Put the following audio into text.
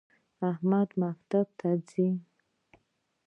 احمد مکتب ته ځی